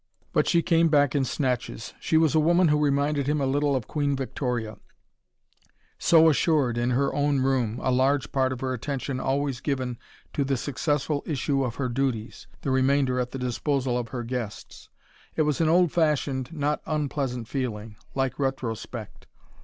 But she came back in snatches. She was a woman who reminded him a little of Queen Victoria; so assured in her own room, a large part of her attention always given to the successful issue of her duties, the remainder at the disposal of her guests. It was an old fashioned, not unpleasant feeling: like retrospect.